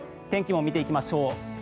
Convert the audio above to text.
天気も見ていきましょう。